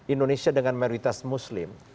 indonesia dengan mayoritas muslim